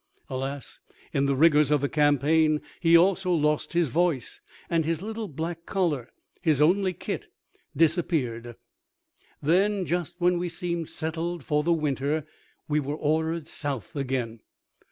Alas! in the rigours of the campaign he also lost his voice; and his little black collar, his only kit, disappeared. Then, just when we seemed settled for the winter, we were ordered South again.